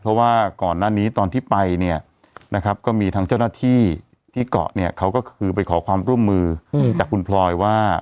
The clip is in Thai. เพราะว่าก่อนหน้านี้ตอนที่ไปเนี่ยนะครับก็มีทั้งเจ้าหน้าที่ที่เกาะเนี่ยเขาก็คือไปขอความร่วมมือจากคุณพลอยว่า